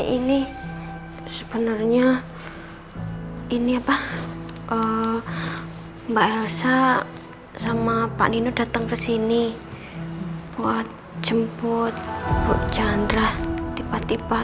ini sebenarnya ini apa mbak elsa sama pak nino datang ke sini buat jemput bu chandra tiba tiba